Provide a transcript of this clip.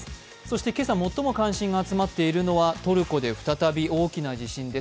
今朝、最も関心が集まっているのはトルコで再び大きな地震です。